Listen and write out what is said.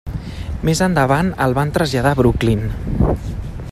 Més endavant el van traslladar a Brooklyn.